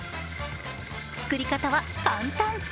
作り方は簡単。